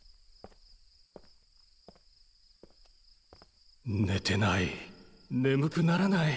心の声ねてない眠くならない。